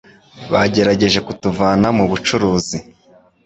Bagerageje kutuvana mu bucuruzi.